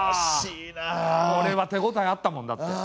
これは手ごたえあったもんだって。